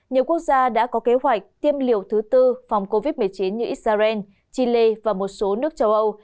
nhiều quốc gia đã có kế hoạch tiêm liều thứ tư phòng covid một mươi chín như israel chile và một số nước châu âu